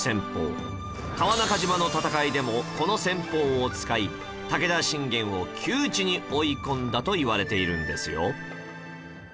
川中島の戦いでもこの戦法を使い武田信玄を窮地に追い込んだといわれているんですよ